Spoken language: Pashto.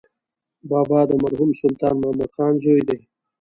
بابا د مرحوم سلطان محمد خان زوی دی.